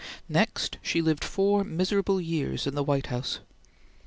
Next she lived four miserable years in the White House.